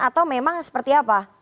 atau memang seperti apa